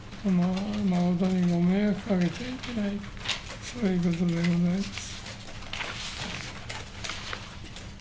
ご迷惑をかけてはいけない、そういうことでございます。